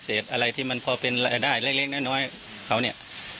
อะไรที่มันพอเป็นรายได้เล็กน้อยเขาเนี่ย